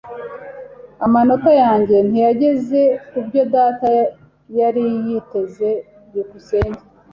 Amanota yanjye ntiyageze kubyo data yari yiteze. byukusenge